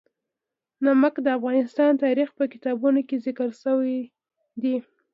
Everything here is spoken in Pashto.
نمک د افغان تاریخ په کتابونو کې ذکر شوی دي.